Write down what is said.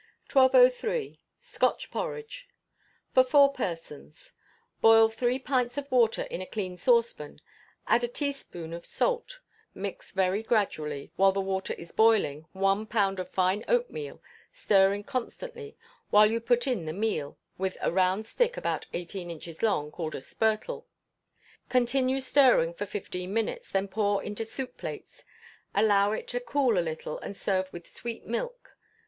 ] 1203. Scotch Porridge. For four persons. Boil three pints of water in a clean saucepan, add a teaspoonful of salt; mix very gradually, while the water is boiling, one pound of fine oatmeal, stirring constantly, while you put in the meal, with a round stick about eighteen inches long, called a "spirtle." Continue stirring for fifteen minutes; then pour into soup plates, allow it to cool a little, and serve with sweet milk.